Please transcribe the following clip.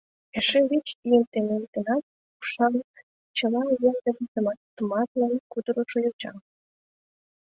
Эше вич ийым темен гынат, ушан, чыла еҥ дене тыматлын кутырышо йоча.